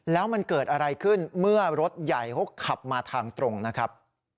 แล้วมันเกิดอะไรขึ้นเมื่อรถใหญ่เขาขับมาทางตรงนะครับ